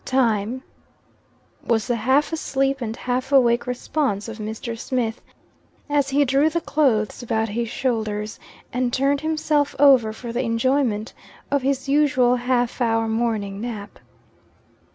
"Time," was the half asleep and half awake response of Mr. Smith, as he drew the clothes about his shoulders, and turned himself over for the enjoyment of his usual half hour morning nap.